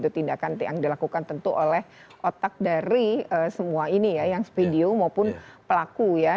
tindakan yang dilakukan tentu oleh otak dari semua ini ya yang video maupun pelaku ya